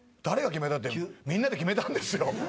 「誰が決めた」ってみんなで決めたんですよ。